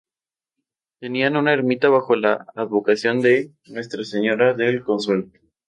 Tenían una ermita bajo la advocación de Nuestra Señora del Consuelo.